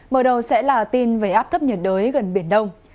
mở đầu sẽ là tin về áp thấp nhiệt đới gần biển đông